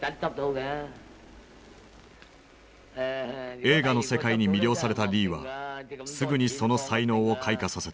映画の世界に魅了されたリーはすぐにその才能を開花させた。